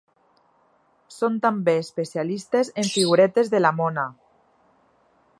Són també especialistes en figuretes de la mona.